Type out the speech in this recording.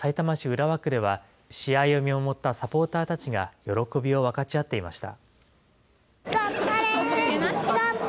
地元、さいたま市浦和区では、試合を見守ったサポーターたちが喜びを分かち合っていました。